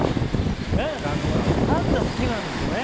パンダ好きなんですね。